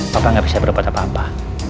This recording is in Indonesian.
papa gak bisa berubah sama papa